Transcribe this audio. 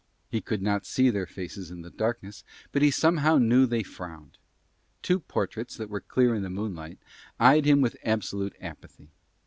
He could not see their faces in the darkness, but he somehow knew they frowned. Two portraits that were clear in the moonlight eyed him with absolute apathy.